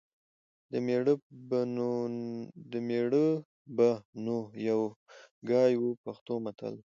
د مېړه به نو یو ګای و . پښتو متل